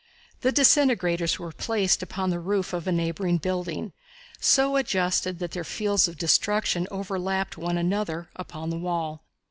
The disintegrators were placed upon the roof of a neighboring building, so adjusted that their fields of destruction overlapped one another upon the wall.